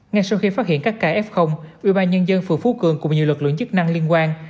ngay sau khi phát hiện các kf ubnd phường phú cường cùng nhiều lực lượng chức năng liên quan